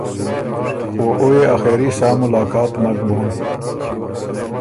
او او يې آخېري سا ملاقات مک بون۔